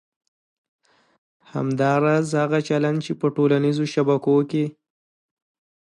همداراز هغه چلند چې په ټولنیزو شبکو کې